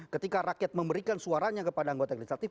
ketika rakyat memberikan suaranya kepada anggota legislatif